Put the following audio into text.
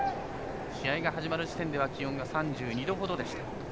試合が始まる時点では気温が３２度ほどでした。